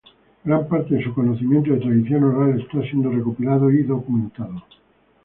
Gran parte de su conocimiento de tradición oral está siendo recopilado y documentado.